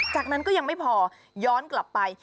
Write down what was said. จากนั้นก็ยังไม่พอย้อนกลับไป